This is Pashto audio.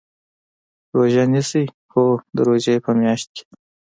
روژه نیسئ؟ هو، د روژی په میاشت کې